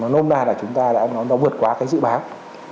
nó nôn ra là chúng ta đã vượt qua cái dự báo